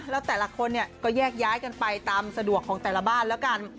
แล้วแต่ละคนเนี่ยก็แยกย้ายกันไปตามสะดวกของแต่ละบ้านแล้วกัน